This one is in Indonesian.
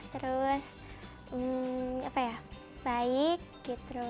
terus baik gitu